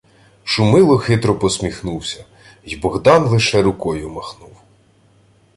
Шумило хитро посміхнувся, й Богдан лише рукою махнув.